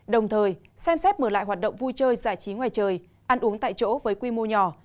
đồng thời xem xét mở lại hoạt động vui chơi giải trí ngoài trời ăn uống tại chỗ với quy mô nhỏ